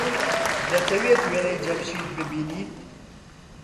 دەتەوێت وێنەی جەمشید ببینیت؟